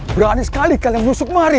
berani sekali kalian menusuk mari